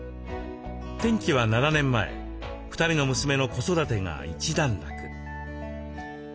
転機は７年前２人の娘の子育てが一段落。